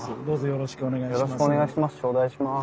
よろしくお願いします。